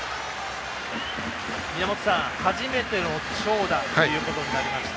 宮本さん、初めての長打ということになりました。